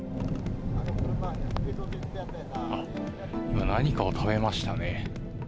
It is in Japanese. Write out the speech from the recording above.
今、何かを食べましたね。